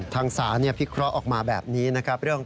ทางศาลพิเคราะห์ออกมาแบบนี้นะครับ